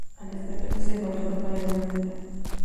Al despertarse, se encontró que estaba en un hospital.